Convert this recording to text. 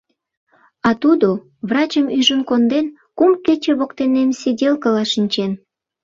А тудо... врачым ӱжын конден, кум кече воктенем сиделкыла шинчен.